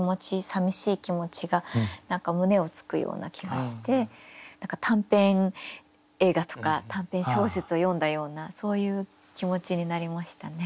さみしい気持ちが何か胸をつくような気がして短編映画とか短編小説を読んだようなそういう気持ちになりましたね。